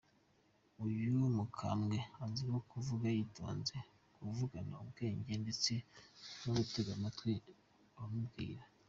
Uyu mukambwe azwiho kuvuga yitonze, kuvugana ubwenge, ndetse no gutega amatwi abamubwira.